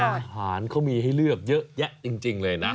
อาหารเขามีให้เลือกเยอะแยะจริงเลยนะ